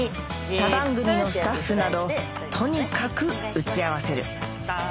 他番組のスタッフなどとにかく打ち合わせる